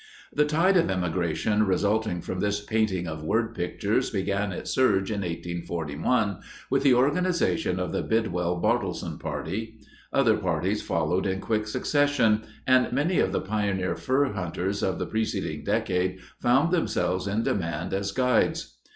The tide of emigration resulting from this painting of word pictures began its surge in 1841 with the organization of the Bidwell Bartleson party. Other parties followed in quick succession, and many of the pioneer fur hunters of the preceding decade found themselves in demand as guides.